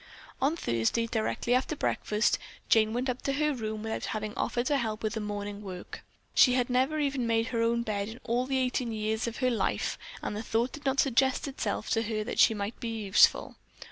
On Thursday, directly after breakfast, Jane went up to her room without having offered to help with the morning work. She had never even made her own bed in all the eighteen years of her life and the thought did not suggest itself to her that she might be useful.